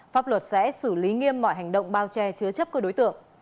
pháp luật sẽ xử lý nghiêm mọi hành động bao che chứa chấp các đối tượng